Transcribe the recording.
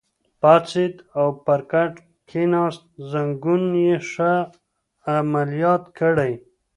پاڅېد او پر کټ کېناست، زنګون یې ښه عملیات کړی.